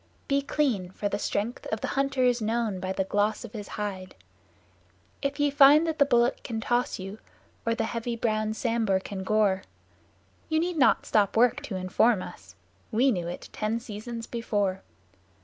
Be clean, for the strength of the hunter is known by the gloss of his hide. If ye find that the Bullock can toss you, or the heavy browed Sambhur can gore; Ye need not stop work to inform us: we knew it ten seasons before.